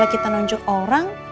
kalau kita menunjuk orang